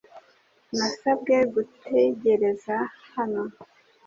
Nasabwe gutegereza hano .